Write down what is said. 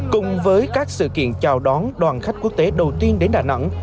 cùng với các sự kiện chào đón đoàn khách quốc tế đầu tiên đến đà nẵng